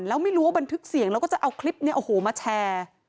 แล้วไม่รู้ว่าบันทึกเสียงแล้วก็จะเอาคลิปนี้โอ้โหมาแชร์